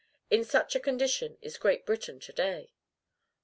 In such a condition is Great Britain to day.